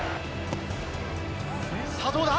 さあ、どうだ？